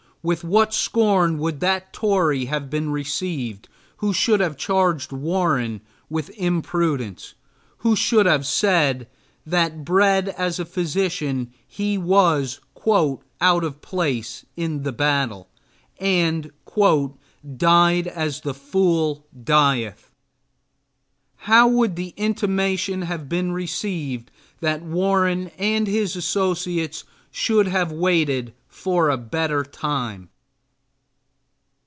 With what scorn would that Tory have been received who should have charged Warren with imprudence, who should have said that, bred as a physician, he was "out of place" in the battle, and "died as the fool dieth!" How would the intimation have been received that Warren and his associates should have waited a better time?